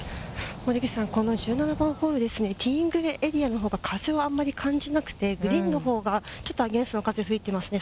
森口さん、この１７番ホールですね、ティーイングエリアのほうでは風はあんまり感じなくて、グリーンのほうがちょっとアゲンストの風、吹いてますね。